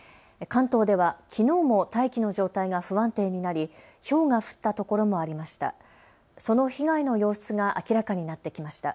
関東ではきのうも大気の状態が不安定になり、ひょうが降ったところもありました。